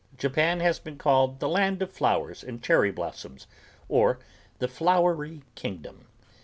Japan has been called the land of flowers and cherry blossoms or The Flowery Kingdom.